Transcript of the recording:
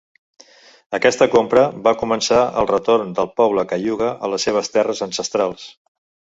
Aquesta compra va començar el retorn del poble Cayuga a les seves terres ancestrals.